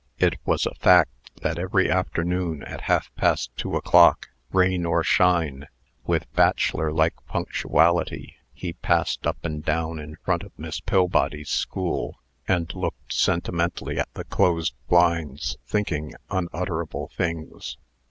It was a fact that every afternoon, at half past two o'clock, rain or shine, with bachelor like punctuality, he passed up and down in front of Miss Pillbody's school, and looked sentimentally at the closed blinds, thinking unutterable things.